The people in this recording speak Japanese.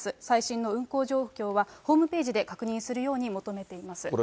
最新の運航状況はホームページで確認するように求めています。